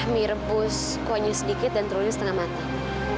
mie rebus kuahnya sedikit dan telurnya setengah mateng